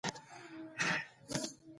هغه د مسو سکې چلولې.